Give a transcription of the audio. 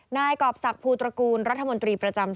นายกรอบศักดิภูตระกูลรัฐมนตรีประจำ